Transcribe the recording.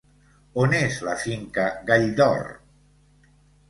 On és la finca "Gall d'Or"?